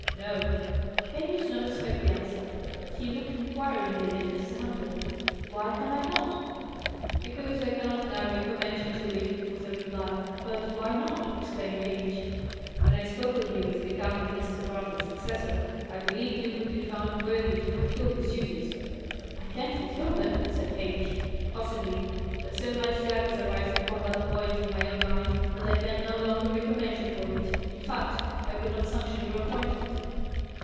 "No." Hamish did not expect the answer. He looked inquiringly at Mr. Huntley. "Why can I not?" "Because I cannot now recommend you to it," was the reply. "But why not?" exclaimed Hamish. "When I spoke of you as becoming Mr. Bartlett's successor, I believed you would be found worthy to fulfil his duties." "I can fulfil them," said Hamish. "Possibly. But so much doubt has arisen upon that point in my own mind, that I can no longer recommend you for it. In fact, I could not sanction your appointment."